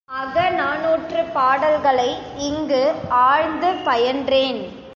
அகநானூற்றுப்பாடல்களை இங்கு ஆழ்ந்து பயின்றேன்.